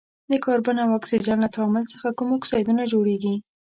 د کاربن او اکسیجن له تعامل څخه کوم اکسایدونه جوړیږي؟